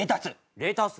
レタス。